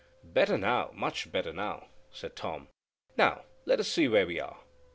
"Better now, much better now," said Tom; "now let us see where we are."